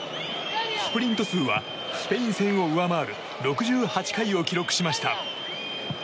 スプリント数はスペイン戦を上回る６８回を記録しました。